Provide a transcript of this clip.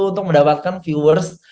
untuk mendapatkan viewers